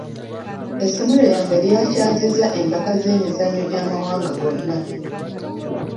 Essomero lyange lyakyazizza empaka z'emizannyo gy'amawanga gonna.